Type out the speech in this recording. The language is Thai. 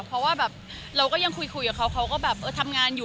พี่ยังคุยกับเขาก็แบบเออทำงานอยู่